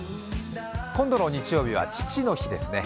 今度の日曜日は父の日ですね。